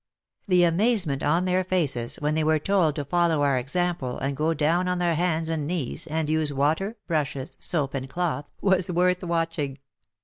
The amazement on their faces when they were told to follow our example and go down on their hands and knees and use water, brushes, soap and cloth, was worth watching.